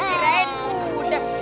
ini buka buka doang